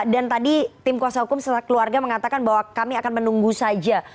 dan tadi tim kuasa hukum serta keluarga mengatakan bahwa kami akan menunggu saja